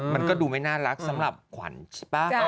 มันก็ดูไม่น่ารักสำหรับขวัญใช่ป่ะ